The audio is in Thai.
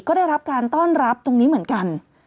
ก็ได้รับการต้อนรับตรงนี้เหมือนกัน